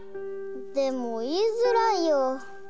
でもいいづらいよ。